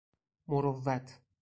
مروت